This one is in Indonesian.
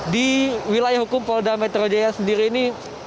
di wilayah hukum polda metro jaya sendiri ini